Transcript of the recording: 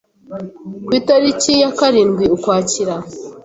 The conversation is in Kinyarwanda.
Ku itariki ya karindwi Ukwakira